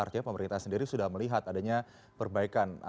artinya pemerintah sendiri sudah melihat adanya perbaikan